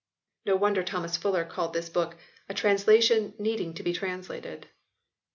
No wonder that Thomas Fuller called this book "a translation needing to be translated."